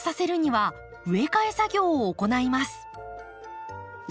はい。